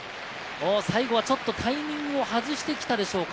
最後はちょっとタイミングを外して来たでしょうか。